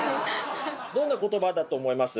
どんな言葉だと思います？